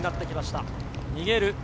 逃げる